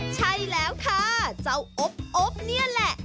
ใช่แล้วค่ะเจ้าโอ๊บโอ๊บนี่แหละ